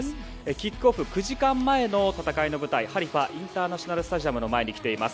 キックオフ９時間前の戦いの舞台ハリファ・インターナショナル・スタジアムの前に来ています。